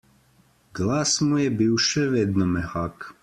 Glas mu je bil še vedno mehak.